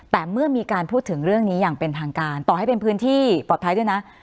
แต่เมื่อมีการพูดถึงเรื่องนี้อย่างเป็นทางการต่อให้เป็นพื้นที่ปลอดภัยด้วยนะ